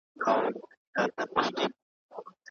ایا کوچني پلورونکي کاغذي بادام پروسس کوي؟